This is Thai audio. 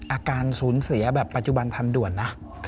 อาการสูญเสียแบบปัจจุบันทันด่วนนะ